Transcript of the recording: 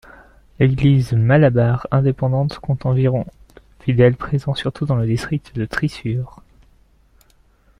L'Église malabare indépendante compte environ fidèles présents surtout dans le district de Thrissur.